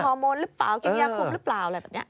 โมนหรือเปล่ากินยาคมหรือเปล่าอะไรแบบนี้